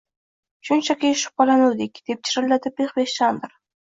– Shunchaki shubhalanuvdik? – deb jirilladi Pixpix Chandr